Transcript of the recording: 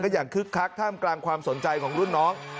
อย่างคึกคักท่ามกลางความสนใจของรุ่นน้อง